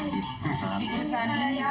di perusahaan ini